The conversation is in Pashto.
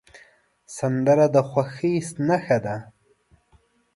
سندره د خوښۍ نښه ده